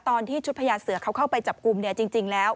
ตอนที่ชุดพญาเสือเขาเข้าไปจับกลุ่มเนี่ยจริงแล้ว